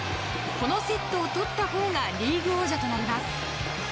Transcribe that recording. このセットを取ったほうがリーグ王者となります。